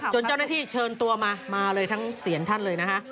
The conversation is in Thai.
เจ้าหน้าที่เชิญตัวมามาเลยทั้งเสียงท่านเลยนะฮะ